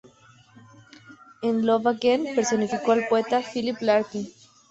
En "Love Again", personificó al poeta Philip Larkin.